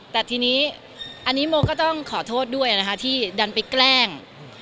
แต่ทีนี้อันนี้โมก็ต้องขอโทษด้วยนะคะที่ดันไปแกล้ง